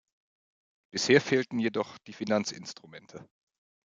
Bisher fehlten jedoch die Finanzinstrumente.